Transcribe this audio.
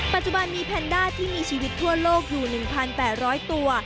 ปัจจุบันมีแพนด้าที่มีชีวิตทั่วโลกอยู่๑๘๐๐ตัว